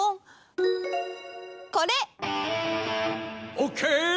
オッケー！